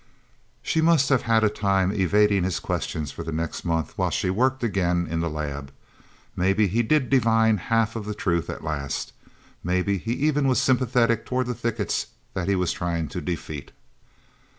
She must have had a time evading his questions for the next month, while she worked, again, in the lab. Maybe he did divine half of the truth, at last. Maybe he even was sympathetic toward the thickets that he was trying to defeat.